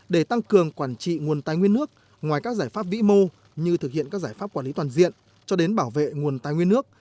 để tăng cường quản trị nguồn tài nguyên nước ngoài các giải pháp vĩ mô như thực hiện các giải pháp quản lý toàn diện cho đến bảo vệ nguồn tài nguyên nước